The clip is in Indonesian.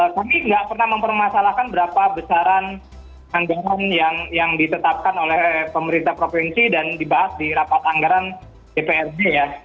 kami nggak pernah mempermasalahkan berapa besaran anggaran yang ditetapkan oleh pemerintah provinsi dan dibahas di rapat anggaran dprd ya